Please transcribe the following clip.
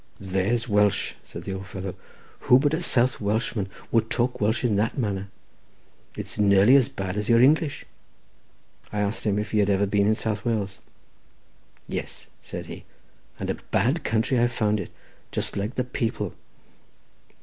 "There's Welsh," said the old fellow, "who but a South Welshman would talk Welsh in that manner? It's nearly as bad as your English." I asked him if he had ever been in South Wales. "Yes," said he; "and a bad country I found it; just like the people."